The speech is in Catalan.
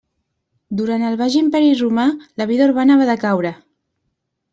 Durant el Baix Imperi Romà la vida urbana va decaure.